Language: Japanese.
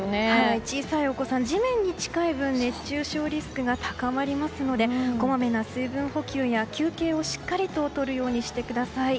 小さいお子さんは地面に近い分熱中症リスクが高まりますのでこまめな水分補給や休憩をしっかりととるようにしてください。